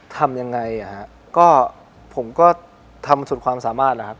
ทำยังไงผมก็ทำสุดความสามารถนะครับ